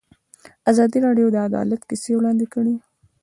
ازادي راډیو د عدالت کیسې وړاندې کړي.